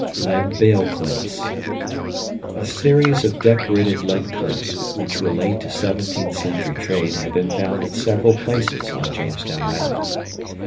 Lead Bale Clips. A series of decorated lead clips which relate to 17th century trade have been found at several places on Jamestown Island.